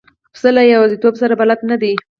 پسه له یوازیتوب سره بلد نه دی.